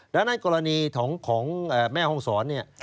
ดังนั้นกรณีของแม่ห้องศรเนี่ย